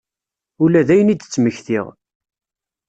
Ula dayen i d-ttmektiɣ.